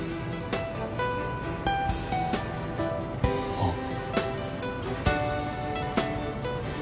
あっ。